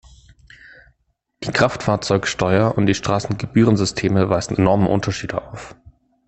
Die Kraftfahrzeugsteuer und die Straßengebührensysteme weisen enorme Unterschiede auf.